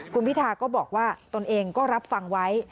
คุณพิธาก็บอกว่าตนเองก็รับฟังไว้